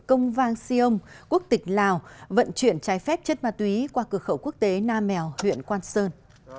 công vang siêu ông quốc tịch lào vận chuyển trái phép chất ma túy qua cửa khẩu quốc tế nam mèo huyện quang sơn